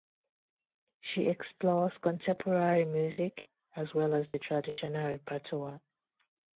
She explores contemporary music as well as the traditional repertoire.